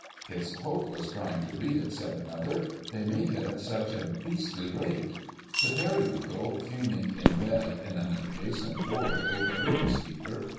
"It's hopeless trying to read it," said another, "they make it at such a beastly rate." The Periwinkle, fuming in bed in an adjacent ward, overheard the speaker.